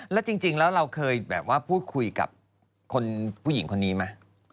แล้วจริงเราเคยพูดคุยกับผู้หญิงคนนี้ไหม